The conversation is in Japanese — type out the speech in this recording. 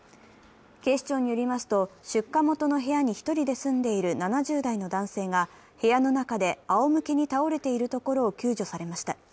警視庁によりますと出火元の部屋に１人で住んでいる７０代の男性が部屋の中であおむけに倒れているところを救助されました。